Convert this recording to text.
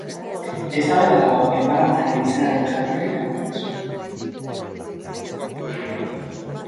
Eztabaida dago enparantzaren izenaren jatorriari dagokionez.